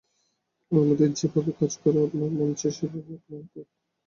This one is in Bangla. ওর মধ্যে যে ভাবে কাজ করা আপনার মন চায় সেইটেই আপনার পথ।